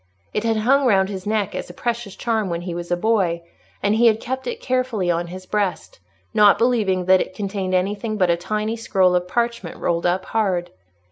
It had hung round his neck as a precious charm when he was a boy, and he had kept it carefully on his breast, not believing that it contained anything but a tiny scroll of parchment rolled up hard.